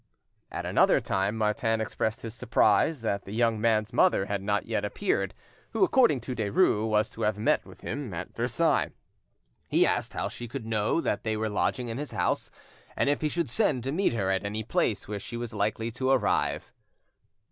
At another time, Martin expressed his surprise that the young man's mother had not yet appeared, who, according to Derues, was to have met him at Versailles. He asked how she could know that they were lodging in his house, and if he should send to meet her at any place where she was likely to arrive.